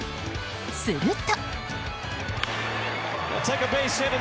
すると。